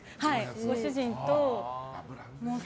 ご主人との。